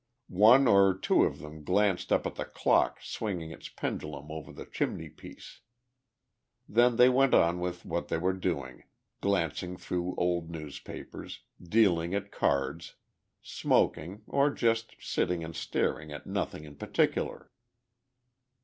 One or two of them glanced up at the clock swinging its pendulum over the chimney piece. Then they went on with what they were doing, glancing through old newspapers, dealing at cards, smoking or just sitting and staring at nothing in particular.